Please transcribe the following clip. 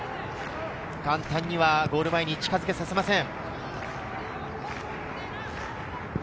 簡単にはゴール前に近づけさせません。